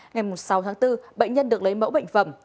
ngày sáu tháng bốn bệnh nhân được lấy mẫu bệnh phẩm